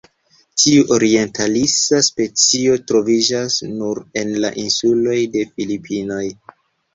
Tiu orientalisa specio troviĝas nur en la insuloj de Filipinoj.